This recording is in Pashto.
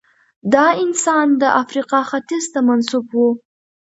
دا انسان د افریقا ختیځ ته منسوب و.